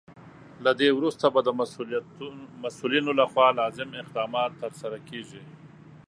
له دې وروسته به د مسولینو لخوا لازم اقدامات ترسره کیږي.